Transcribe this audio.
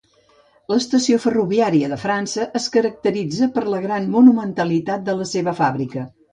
L'estació ferroviària de França es caracteritza per la gran monumentalitat de la seva fàbrica.